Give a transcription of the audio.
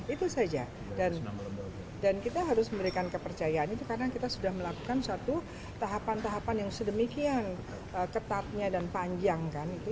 itu saja dan kita harus memberikan kepercayaan itu karena kita sudah melakukan satu tahapan tahapan yang sedemikian ketatnya dan panjang kan itu